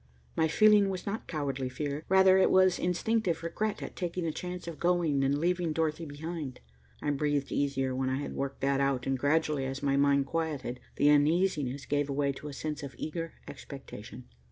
My feeling was not cowardly fear. Rather, it was instinctive regret at taking the chance of going and leaving Dorothy behind. I breathed easier when I had worked that out, and gradually, as my mind quieted, the uneasiness gave away to a sense of eager expectation.